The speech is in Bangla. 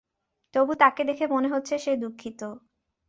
তবু তাকে দেখে মনে হচ্ছে সে দুঃখিত।